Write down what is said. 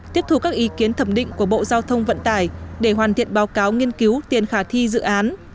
tiếp thu các ý kiến thẩm định của bộ giao thông vận tải để hoàn thiện báo cáo nghiên cứu tiền khả thi dự án